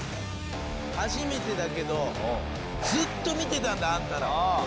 初めてだけどずっと見てたんだあんたらを。